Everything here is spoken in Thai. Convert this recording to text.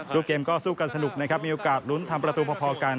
เกมก็สู้กันสนุกนะครับมีโอกาสลุ้นทำประตูพอกัน